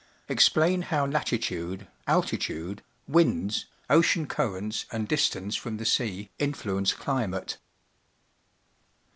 Explain how latitude, altit ude, winds, ocean currents, and distance from the sea influence climate.